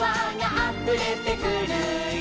「あふれてくるよ」